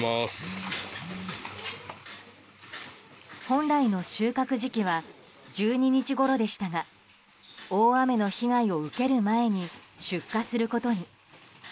本来の収穫時期は１２日ごろでしたが大雨の被害を受ける前に出荷することに。